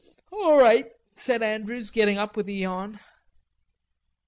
"All right," said Andrews, getting up with a yawn.